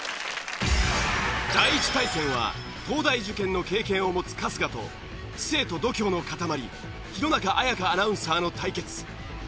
第１対戦は東大受験の経験を持つ春日と知性と度胸の塊弘中綾香アナウンサーの対決。